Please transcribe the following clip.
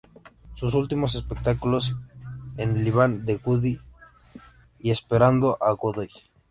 Sus últimos espectáculos, "El Diván de Godoy" y "Esperando a... Godoy".